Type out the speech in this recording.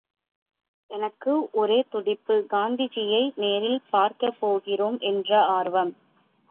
எனக்கு ஒரே துடிப்பு, காந்திஜியை நேரில் பார்க்கப் போகிறோம் என்ற ஆர்வம்.